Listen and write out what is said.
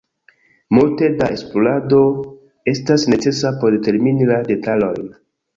Multe da esplorado estas necesa por determini la detalojn.